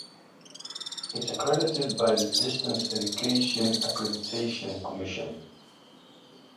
It is accredited by the Distance Education Accreditation Commission.